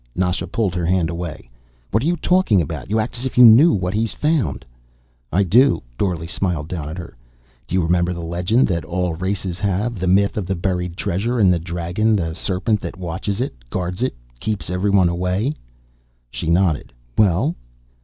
Nasha pulled her hand away. "What are you talking about? You act as if you knew what he's found." "I do." Dorle smiled down at her. "Do you remember the legend that all races have, the myth of the buried treasure, and the dragon, the serpent that watches it, guards it, keeping everyone away?" She nodded. "Well?"